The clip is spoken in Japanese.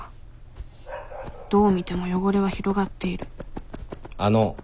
どう見ても汚れは広がっているあの。